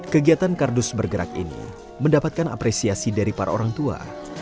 kegiatan kardus bergerak ini mendapatkan apresiasi dari para orang tua